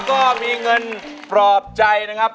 ก็มีเงินปลอบใจนะครับ